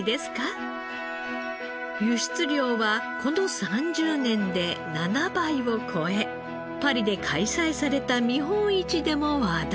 輸出量はこの３０年で７倍を超えパリで開催された見本市でも話題に。